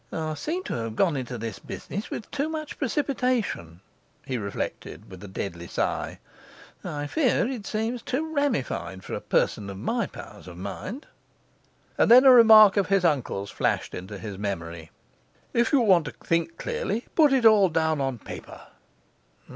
'I seem to have gone into this business with too much precipitation,' he reflected, with a deadly sigh. 'I fear it seems too ramified for a person of my powers of mind.' And then a remark of his uncle's flashed into his memory: If you want to think clearly, put it all down on paper.